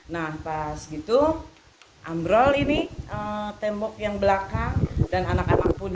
nah pas gitu ambrol ini tembok yang belakang dan anak anak pun